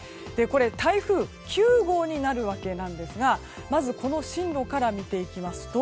台風９号になるわけなんですがまずこの進路から見ていきますと